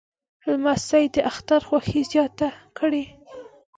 لمسی د اختر خوښي زیاته کړي.